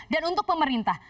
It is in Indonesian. dan untuk pemerintah